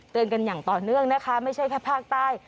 กันอย่างต่อเนื่องนะคะไม่ใช่แค่ภาคใต้